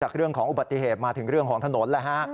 เรื่องของอุบัติเหตุมาถึงเรื่องของถนนแล้วฮะ